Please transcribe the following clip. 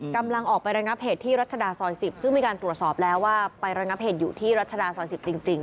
กำลังออกไประงับเหตุที่รัชดาซอย๑๐ซึ่งมีการตรวจสอบแล้วว่าไประงับเหตุอยู่ที่รัชดาซอย๑๐จริง